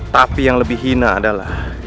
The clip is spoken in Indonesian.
tapi yang lebih hina adalah